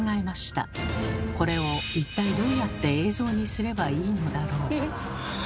これを一体どうやって映像にすればいいのだろう？